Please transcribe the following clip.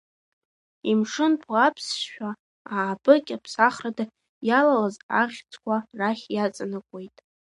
Имшынтәу Аԥсшәа аабыкьа ԥсахрада иалалаз ахьӡқәа рахь иаҵанакуеит.